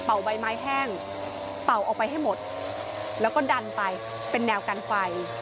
ใบไม้แห้งเป่าออกไปให้หมดแล้วก็ดันไปเป็นแนวกันไฟ